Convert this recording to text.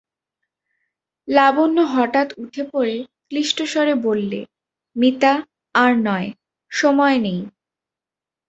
লাবণ্য হঠাৎ উঠে পড়ে ক্লিষ্টস্বরে বললে, মিতা, আর নয়, সময় নেই।